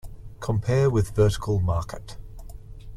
Compare with vertical market.